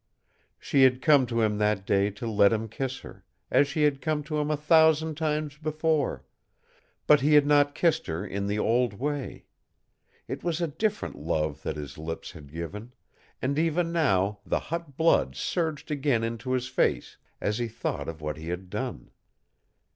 She had come to him that day to let him kiss her, as she had come to him a thousand times before; but he had not kissed her in the old way. It was a different love that his lips had given, and even now the hot blood surged again into his face as he thought of what he had done.